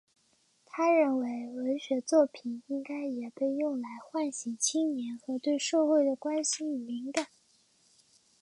他认为文学作品应该也被用来唤醒青年对社会的关心与敏感。